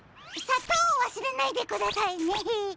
さとうをわすれないでくださいね。